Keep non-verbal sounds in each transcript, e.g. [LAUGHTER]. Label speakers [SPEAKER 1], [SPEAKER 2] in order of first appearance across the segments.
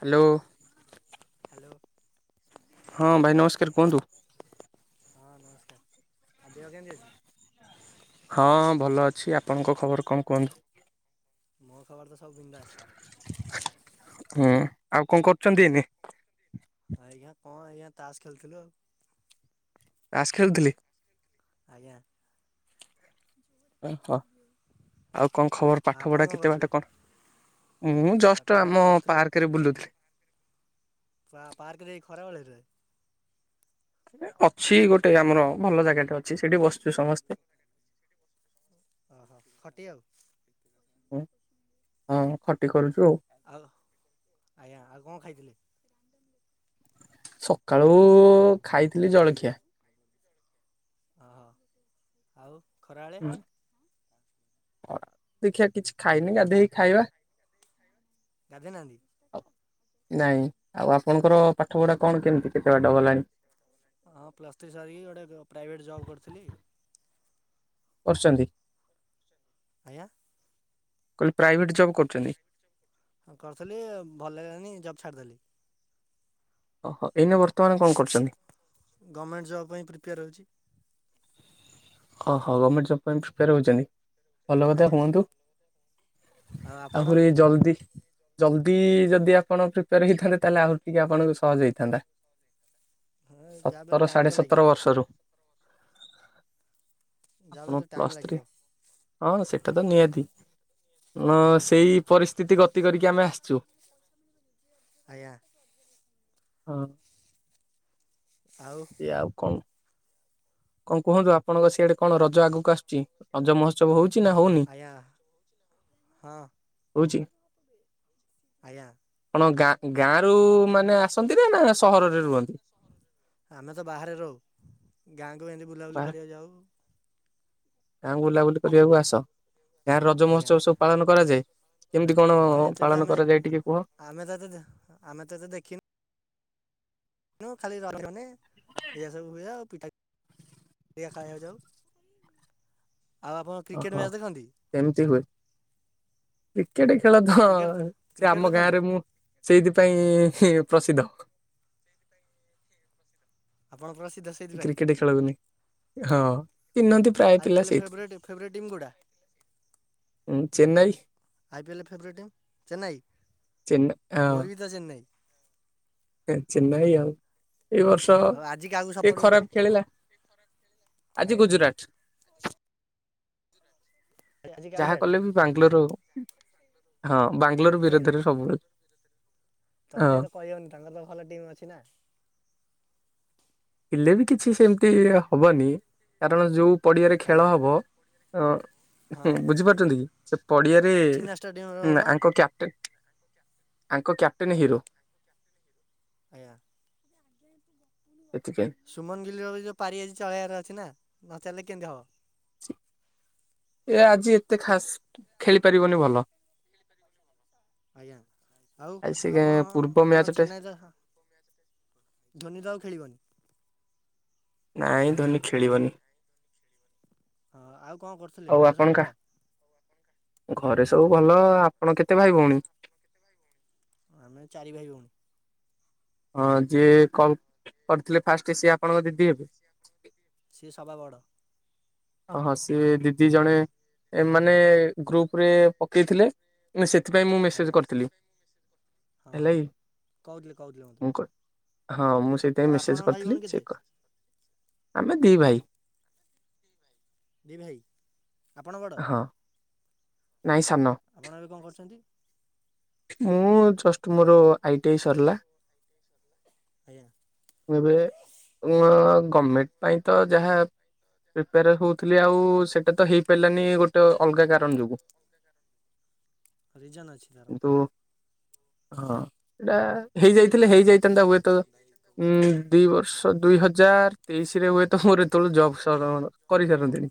[SPEAKER 1] Hello
[SPEAKER 2] hello
[SPEAKER 1] ହଁ ଭାଇ ନମସ୍କାର କୁହନ୍ତୁ?
[SPEAKER 2] ହଁ ନମସ୍କାର ଆଉ ଦେହ କେମିତି ଅଛି?
[SPEAKER 1] ହଁ ଭଲ ଅଛି ଆପଣଙ୍କ ଖବର କଣ କୁହନ୍ତୁ?
[SPEAKER 2] ମୋର ଖବର ତ ସବୁ ବିନ୍ଦାସ
[SPEAKER 1] ହୁଁ ଆଉ କଣ କରୁଛନ୍ତି ଏନି
[SPEAKER 2] ତାସ ଖେଳୁଥିଲୁ ଆଉ
[SPEAKER 1] ତାସ ଖେଳୁଥିଲି।
[SPEAKER 2] [INAUDIBLE]
[SPEAKER 1] ଓହୋ ଆଉ କଣ ଖବର
[SPEAKER 2] ଆଉ
[SPEAKER 1] ପାଠ
[SPEAKER 2] ଆପଣ
[SPEAKER 1] ପଢା
[SPEAKER 2] କଣ
[SPEAKER 1] କେତେ
[SPEAKER 2] କରୁଥିଲେ?
[SPEAKER 1] ବାଟ କଣ ମୁଁ ଜଷ୍ଟ
[SPEAKER 2] ପାଠପଢ଼ା
[SPEAKER 1] ଆମ
[SPEAKER 2] ପ୍ଲସ୍ ଥ୍ରୀ
[SPEAKER 1] ପାର୍କରେ ବୁଲୁଥିଲି।
[SPEAKER 2] ପାର୍କରେ ଏଇ ଖରାବେେଳେ ଟାରେ
[SPEAKER 1] ଅଛି ଗୋଟେ ଆମର ଭଲ ଜାଗାଟେ ଅଛି ସେଠି ବସିଛୁ ସମସ୍ତେ।
[SPEAKER 2] ଓହୋ ଖଟି ଆଉ।
[SPEAKER 1] ହଁ ଖଟି କରୁଛୁ ଆଉ
[SPEAKER 2] ଆଉ ଆଜ୍ଞା ଆଉ କଣ ଖାଇଥିଲେ?
[SPEAKER 1] ସକାଳୁ ଖାଇଥିଲି ଜଳଖିଆ।
[SPEAKER 2] ହଁ ଆଉ ଖରାବେଳେ
[SPEAKER 1] ଦେଖିିବା କିଛି ଖାଇନି ଗାଧୋଇ ଖାଇବା।
[SPEAKER 2] ଗାଧୋଇ ନାହାନ୍ତି?
[SPEAKER 1] ନାଇଁ ଆଉ ଆପଣଙ୍କର ପାଠପଢା କଣ କେମିତି କେତେ ବାଟ ଗଲାଣି?
[SPEAKER 2] ହଁ ପ୍ଲସ୍ ଥ୍ରୀ ସାରିକି ଗୋଟେ ପ୍ରାଇଭେଟ ଜବ କରିଥିଲି।
[SPEAKER 1] କରିଛନ୍ତି।
[SPEAKER 2] ଆଜ୍ଞା।
[SPEAKER 1] କହିଲେ ପ୍ରାଇଭେଟ୍ ଜବ୍ କରୁଛନ୍ତି?
[SPEAKER 2] ହଁ କରିଥିଲି ଭଲ ଲାଗିଲାନି ଜବ ଛାଡିଦେଲି।
[SPEAKER 1] ଓହୋ ଏଇନେ ବର୍ତ୍ତମାନ କଣ କରୁଛନ୍ତି?
[SPEAKER 2] ଗଭର୍ଣ୍ଣମେଣ୍ଟ ଜବ୍ ପାଇଁ ପ୍ରିପେୟାର ହେଉଛି।
[SPEAKER 1] ଓହୋ ଗମେଣ୍ଟ ଜବ ପାଇଁ ପ୍ରିପେୟାର ହଉଛନ୍ତି। ଭଲ କଥା
[SPEAKER 2] ଆଜ୍ଞା।
[SPEAKER 1] କୁହନ୍ତୁ।
[SPEAKER 2] ଆଉ ଆପଣ?
[SPEAKER 1] ଆଉପରେ ଏଇ ଜଲଦି। ଜଲଦି ଯଦି ଆପଣ ପ୍ରିପେୟାର ହେଇଥାନ୍ତେ ତାହେଲେ ଆହୁରି ଟିକେ ଆପଣଙ୍କୁ ସହଜ ହେଇଥାନ୍ତା।
[SPEAKER 2] ହଁ ଯାହାବି ହେଲେ
[SPEAKER 1] ସତର
[SPEAKER 2] ଟାଇମ୍ ତ
[SPEAKER 1] ସାଢ଼େ
[SPEAKER 2] ଲାଗିବ
[SPEAKER 1] ସତର ବର୍ଷରୁ।
[SPEAKER 2] ଯାହାବି
[SPEAKER 1] ଆପଣ
[SPEAKER 2] ହେଲେ ତ ଟାଇମ୍
[SPEAKER 1] ପ୍ଲସ ଥ୍ରୀ
[SPEAKER 2] ଲାଗିବ
[SPEAKER 1] ହଁ ସେଇଟା ଏଟା ତ ନିହାତିି। ହ
[SPEAKER 2] ଆଜ୍ଞା
[SPEAKER 1] ସେଇ ପରିସ୍ଥିତି କଥା ଗତି କରିକି ଆମେ ଆସିଛୁ।
[SPEAKER 2] ଆଜ୍ଞା
[SPEAKER 1] ହଁ
[SPEAKER 2] ଆଉ
[SPEAKER 1] ସେ ଆଉ କଣ। କଣ କୁହନ୍ତୁ ଆପଣଙ୍କ ସିଆଡେ କଣ ରଜ ଆଗକୁ ଆସୁଛି ରଜ ମହୋତ୍ସବ ହଉଛି ହଉଛି ନା ହଉନି
[SPEAKER 2] ଆଜ୍ଞା ହଁ
[SPEAKER 1] ହଉଛି
[SPEAKER 2] ଆଜ୍ଞା
[SPEAKER 1] ଆ ଗାଁ ଗାଁ ରୁ ମାନେ ଆସନ୍ତି ନା ନା ସହରରେ ରୁହନ୍ତି?
[SPEAKER 2] ଆମେ ତ ବାହାରେ ରହୁ ଗାଁ ଏମତି ବୁଲାବୁଲି କରିବାକୁ ଯାଉ।
[SPEAKER 1] ଗାଁ କୁ ବୁଲାବୁଲି କରିବାକୁ ଆସ ଗାଁ ରେ ରଜ
[SPEAKER 2] ଆଜ୍ଞା
[SPEAKER 1] ମହୋତ୍ସବ ସବୁ ପାଳନ କରାଯାଏ? କେମିତି କଣ
[SPEAKER 2] ହଁ ଏତେ ତ
[SPEAKER 1] ପାଳନ
[SPEAKER 2] ଆମେ,
[SPEAKER 1] କରାଯାଏ ଟିକେ କୁହ?
[SPEAKER 2] ଆମେ ତ ଏତେ, ଆମେ ତ ଏତେ ଦେଖିନୁ ନୁ, ଖାଲି [UNINTELLIGIBLE] ଏୟା ସବୁ ହୁଏ ଆଉ। ପିଠା କି ଏୟା ଖାଇଆକୁ ଯାଉ। ଆଉ ଆପଣ କ୍ରିକେଟ
[SPEAKER 1] ଓହୋ।
[SPEAKER 2] ମ୍ୟାଚ୍ ଦେଖନ୍ତି?
[SPEAKER 1] ଏମତି ହୁଏ। କ୍ରିକେଟ ଖେଳ ଥ,
[SPEAKER 2] କ୍ରିକେଟ
[SPEAKER 1] ସେ
[SPEAKER 2] କ୍ରିକେଟ
[SPEAKER 1] ଆମ
[SPEAKER 2] ଦେଖନ୍ତି
[SPEAKER 1] ଗାଁରେ ମୁଁ ସେଇଥିପାଇଁ ହିଁ ପ୍ରସିଦ୍ଧ।
[SPEAKER 2] ଆପଣ ପ୍ରସିଦ୍ଧ ସେଇଥିପାଇଁ?
[SPEAKER 1] କ୍ରିକେଟ ଖେଳକୁ ନେଇ ହଁ। ଚିହ୍ନନ୍ତି ପ୍ରାୟ ପିଲା
[SPEAKER 2] ଆଇପିଏଲ
[SPEAKER 1] ସେଇଥିପାଇଁ
[SPEAKER 2] ଫେଭରାଇଟ୍, ଫେଭରାଇଟ୍ ଟିମ୍ କୋଉଟା?
[SPEAKER 1] ହୁଁ, Chennai
[SPEAKER 2] IPL favourite team Chennai?
[SPEAKER 1] Chenna
[SPEAKER 2] ମୋର ବି ତ ଚେନ୍ନାଇ।
[SPEAKER 1] ଏଁ ଚେନ୍ନାଇ ଆଉ। ଏଇ ବର୍ଷ,
[SPEAKER 2] ଆଉ ଆଜି କାହାକୁ
[SPEAKER 1] ଏ
[SPEAKER 2] ସପୋର୍ଟ କରିବେ
[SPEAKER 1] ଖରାପ ଖେଳିଲା, ଆଜି
[SPEAKER 2] ଆଜ୍ଞା
[SPEAKER 1] ଗୁଜୁରାଟ।
[SPEAKER 2] ଆଜି କାହା
[SPEAKER 1] ଯାହା କଲେ ବି ବାଙ୍ଗାଲୋର ହଁ ବାଙ୍ଗାଲୋର ବିରୁଦ୍ଧରେ ସବୁ।
[SPEAKER 2] ତଥାପି ତ କହିହଉନି ତାଙ୍କର ତ ଭଲ ଟିମ୍ ଅଛି ନା।
[SPEAKER 1] ଇଲେ ବି କିଛି ସେମିତି ହବନି କାରଣ ଯୋଉ ପଡ଼ିଆରେ ଖେଳ
[SPEAKER 2] ଆଜ୍ଞା
[SPEAKER 1] ହବ। ଅଁ।
[SPEAKER 2] ହଁ।
[SPEAKER 1] ହୁଁ ବୁଝିପାରୁଛନ୍ତି କି? ସେ ପଡିଆରେ
[SPEAKER 2] ଚିନା ଷ୍ଟାଡିୟମରେ ହବ
[SPEAKER 1] ଆଙ୍କ କ୍ୟାପଟେନ ଆଙ୍କ କ୍ୟାପଟେନ୍ ହିରୋ।
[SPEAKER 2] ଆଜ୍ଞା।
[SPEAKER 1] ଏଥିପାଇଁ
[SPEAKER 2] ସୁମନ ଗିଲ୍ ର ଯୋଉ ପାରି ଆଜି ଚଳେଇବାର ଅଛି ନା। ନ ଚାଲିଲେ କେମିତି ହବ?
[SPEAKER 1] ଚି ଏ ଆଜି ଏତେ ଖାସ୍ ଖେଳିପାରିବନି ଭଲ।
[SPEAKER 2] ଆଜ୍ଞା ଆଉ
[SPEAKER 1] ଆ ସେ
[SPEAKER 2] ଆପଣ
[SPEAKER 1] ପୂର୍ବ
[SPEAKER 2] ଆପଣ
[SPEAKER 1] ମ୍ୟାଚ ଟା
[SPEAKER 2] ଚେନ୍ନାଇତ ଧୋନି ତ ଆଉ ଖେଳିବନି।
[SPEAKER 1] ନାଇଁ ଧୋନି ଖେଳିବନି।
[SPEAKER 2] ହଁ ଆଉ କଣ କରୁଥିଲେ
[SPEAKER 1] ଆଉ
[SPEAKER 2] ଘରେ ସବୁ
[SPEAKER 1] ଆପଣଙ୍କ
[SPEAKER 2] ଭଲ?
[SPEAKER 1] ଘରେ ସବୁ ଭଲ। ଆପଣ କେତେ ଭାଇ ଭଉଣୀ?
[SPEAKER 2] ଆମେ ଚାରି ଭାଇ ଭଉଣୀ।
[SPEAKER 1] ହଁ ଯିଏ କଲ କରିଥିଲେ ଫାଷ୍ଟ ସିଏ ଆପଣଙ୍କ ଦିଦି ହେବେ?
[SPEAKER 2] ସିଏ ସବା ବଡ।
[SPEAKER 1] ଓହୋ ସେ ଦିଦି ଜଣେ ଏମାନେ ଗ୍ରୁପରେ ପକେଇଥିଲେ ନେସେ ସେଥିପାଇଁ ମୁଁ ମେସେଜ
[SPEAKER 2] ଆଜ୍ଞା
[SPEAKER 1] କରିଥିଲି
[SPEAKER 2] ହଁ ହଁ
[SPEAKER 1] ହେଲାକି
[SPEAKER 2] କହୁଥିଲେ କହୁଥିଲେ ମୋତେ
[SPEAKER 1] ମୁଁ କ ହଁ ମୁଁ ସେଇଥିପାଇଁ
[SPEAKER 2] ଆଉ
[SPEAKER 1] ମେସେଜ
[SPEAKER 2] ଆପଣଙ୍କ ଭାଇ
[SPEAKER 1] କରିଥିଲି
[SPEAKER 2] ଭଉଣୀ କେତେ?
[SPEAKER 1] ଚେକ୍ କର ଆମେ ଦି ଭାଇ।
[SPEAKER 2] ଦି ଭାଇ? ଆପଣ ବଡ଼?
[SPEAKER 1] ହଁ ନାଇଁ ସାନ
[SPEAKER 2] ଆପଣ ଏବେ କଣ କରୁଛନ୍ତି?
[SPEAKER 1] ମୁଁ ଜଷ୍ଟ ମୋର ଆଇ ଟି ଆଇ ସରିଲା
[SPEAKER 2] ଆଜ୍ଞା
[SPEAKER 1] ମୁଁ ଏବେ ମୁଁଉ ଗମ୍ମେଣ୍ଟ ପାଇଁ ତ ଯାହା ପ୍ରିପେଆର୍ ହଉଥିଲି ଆଉ ସେଇଟା ତ ହେଇପାରିଲାନି ଗୋଟେ ଅଲଗା କାରଣ ଯୋଗୁଁ
[SPEAKER 2] ରିଜନ୍ ଅଛି ତାର?
[SPEAKER 1] ହଁ ଏଇଟା ହେଇଯାଇ ଥିଲେ ହେଇଯାଇଥାନ୍ତା ହୁଏତ ହୁଁ ଦୁଇ ବର୍ଷ ଦୁଇ ହଜାର ତେଇଶି ରେ ହୁଏ ତ ମୋର ଏତେବେଳେ ଜବ ସରନତ କରିସାରନ୍ତିଣି।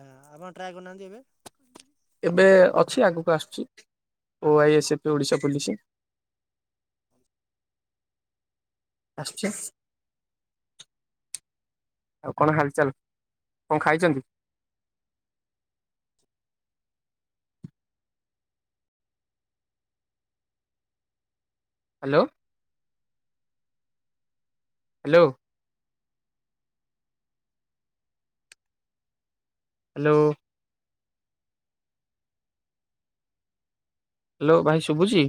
[SPEAKER 2] ଆ ଆପଣ ଟ୍ରାଏ କରୁନାହାନ୍ତି ଏବେ।
[SPEAKER 1] ବେ ଅଛି ଆଗକୁ ଆସୁଛି ଓ ଆଇ ଏସ ପି ଓଡ଼ିଶା ପୋଲିସି। ଆସୁଚି ଆଉ କଣ ହାଲଚାଲ କଣ ଖାଇଚନ୍ତି? ହାଲୋ। ହେଲୋ। ହ୍ୟାଲୋ। ହେଲୋ ଭାଇ ଶୁଭୁଚି?